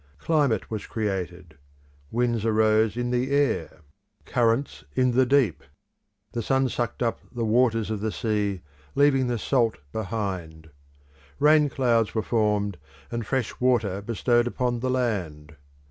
Climate was created: winds arose in the air; currents in the deep; the sun sucked up the waters of the sea, leaving the salt behind; rain clouds were formed, and fresh water bestowed upon the land.